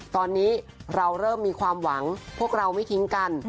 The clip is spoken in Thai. ตอนนี้เราเริ่มมีความหวังพวกเราไม่ทิ้งกัน